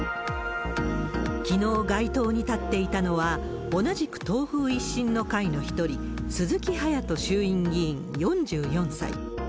きのう街頭に立っていたのは、同じく党風一新の会の一人、鈴木隼人衆院議員４４歳。